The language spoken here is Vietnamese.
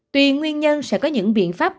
tuy nguyên nhân sẽ có những biện pháp